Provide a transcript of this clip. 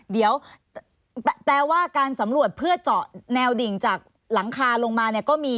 เดี๋ยวแปลว่าการสำรวจเพื่อเจาะแนวดิ่งจากหลังคาลงมาเนี่ยก็มี